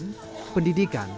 pembuatan penting dikenyapkan